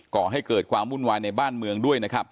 ก่อให้เกิดความวุ่นวายในบ้านเมืองด้วยนะครับ